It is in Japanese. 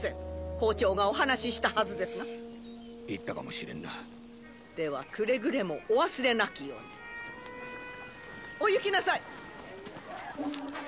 校長がお話ししたはずですが言ったかもしれんなではくれぐれもお忘れなきようにお行きなさい